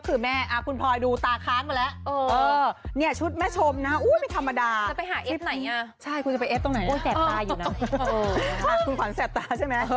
คุณขวัญแสบตาใช่ไหม